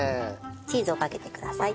チーズをかけてください。